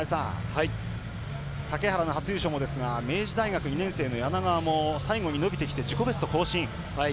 竹原の初優勝もですが明治大学２年生の柳川も最後に伸びてきて自己ベスト更新。